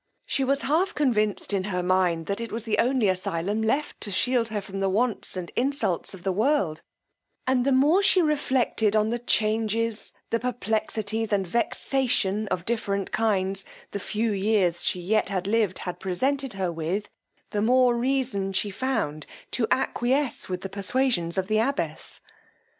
She was half convinced in her mind that it was the only asylum left to shield her from the wants and insults of the world; and the more she reflected on the changes, the perplexities, and vexation, of different kinds, the few years she yet had lived had presented her with, the more reason she found to acquiesce with the persuasions of the abbess.